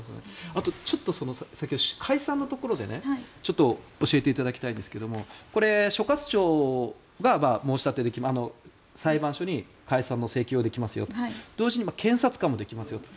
あと、先ほど解散のところで教えていただきたいんですが所轄庁が裁判所に解散の請求をできます同時に検察官もできますよと。